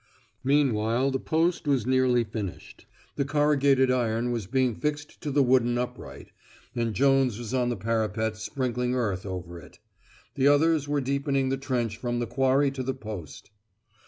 Meanwhile the post was nearly finished; the corrugated iron was being fixed to the wooden upright, and Jones was on the parapet sprinkling earth over it. The others were deepening the trench from the Quarry to the post.